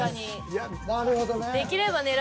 いやなるほどね。